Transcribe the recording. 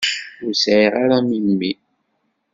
Ur sɛiɣ ara memmi.